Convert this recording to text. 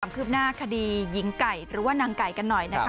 คืบหน้าคดีหญิงไก่หรือว่านางไก่กันหน่อยนะคะ